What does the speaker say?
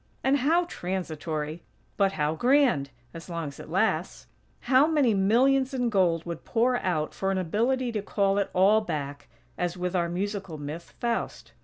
And how transitory! But, how grand! as long as it lasts. How many millions in gold would pour out for an ability to call it all back, as with our musical myth, Faust.